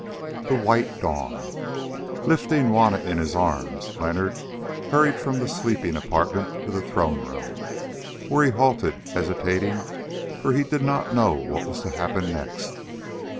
THE WHITE DAWN Lifting Juanna in his arms, Leonard hurried from the sleeping apartment to the throne room, where he halted hesitating, for he did not know what was to happen next.